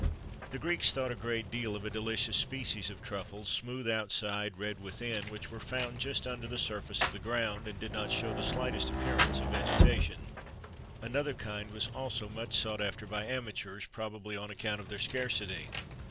[XXIII 97] The Greeks thought a great deal of a delicious species of truffles, smooth outside, red within, which were found just under the surface of the ground, and did not show the slightest appearance of vegetation.[XXIII 98] Another kind was also much sought after by amateurs, probably on account of their scarcity.